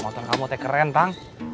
motor kamu te keren tang